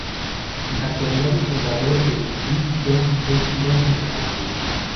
En la actualidad es fundador del Free Jazz Festival en Argentina.